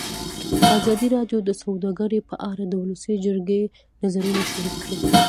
ازادي راډیو د سوداګري په اړه د ولسي جرګې نظرونه شریک کړي.